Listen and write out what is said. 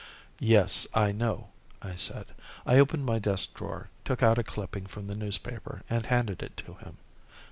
"Yes, I know," I said. I opened my desk drawer, took out a clipping from the newspaper, and handed it to him.